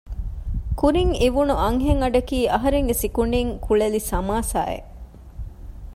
ކުރިން އިވުނު އަންހެން އަޑަކީ އަހަރެންގެ ސިކުނޑިން ކުޅެލި ސަމާސާއެއް